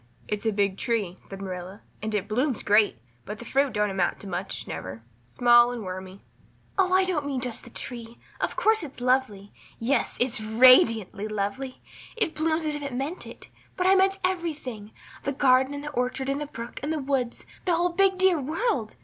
"It's a big tree," said Marilla, "and it blooms great, but the fruit don't amount to much never small and wormy." "Oh, I don't mean just the tree; of course it's lovely yes, it's radiantly lovely it blooms as if it meant it but I meant everything, the garden and the orchard and the brook and the woods, the whole big dear world.